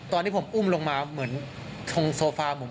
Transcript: ตอนที่ผมอุ้มลงมาเหมือนตรงโซฟาผม